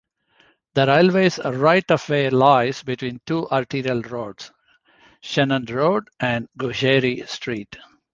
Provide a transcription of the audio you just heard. The railway's right-of-way lies between two arterial roads: Shenton Road and Gugeri Street.